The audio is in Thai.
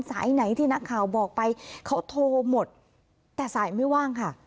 สายไหนที่นักข่าวบอกไปเขาโทรหมดแต่สายไม่ว่างค่ะ